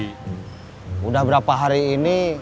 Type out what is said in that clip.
sudah berapa hari ini